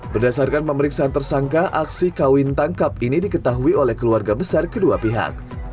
berdasarkan pemeriksaan tersangka aksi kawin tangkap ini diketahui oleh keluarga besar kedua pihak